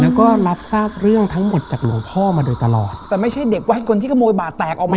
แล้วก็รับทราบเรื่องทั้งหมดจากหลวงพ่อมาโดยตลอดแต่ไม่ใช่เด็กวัดคนที่ขโมยบาดแตกออกมา